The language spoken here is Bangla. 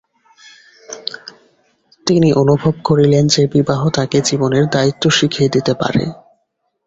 তিনি অনুভব করেছিলেন যে বিবাহ তাঁকে জীবনের দায়িত্ব শিখিয়ে দিতে পারে।